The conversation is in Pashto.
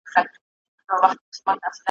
دښیښو څخه جوړسوي تعمیرونه